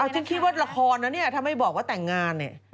ฉันคิดว่าละครนะเนี่ยถ้าไม่บอกว่าแต่งงานเนี่ย